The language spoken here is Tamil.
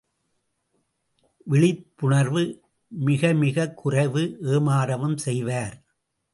விழிப்புணர்வு மிகமிகக் குறைவு ஏமாறவும் செய்வர்.